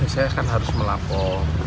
saya akan harus melapor